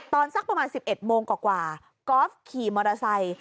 สักประมาณ๑๑โมงกว่ากอล์ฟขี่มอเตอร์ไซค์